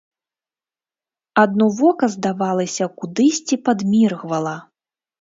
Адно вока, здавалася, кудысьці падміргвала.